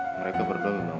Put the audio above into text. mereka berdua belum